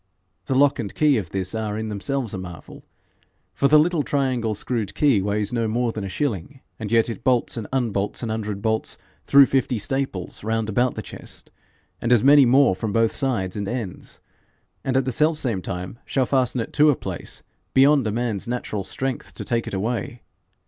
The lock and key of this are in themselves a marvel, for the little triangle screwed key weighs no more than a shilling, and yet it bolts and unbolts an hundred bolts through fifty staples round about the chest, and as many more from both sides and ends, and at the self same time shall fasten it to a place beyond a man's natural strength to take it away.